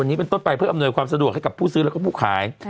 วันนี้เป็นต้นไปเพื่ออำนวยความสะดวกให้กับผู้ซื้อแล้วก็ผู้ขาย